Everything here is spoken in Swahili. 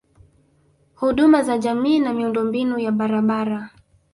Huduma za jamii na Miundombinu ya barabara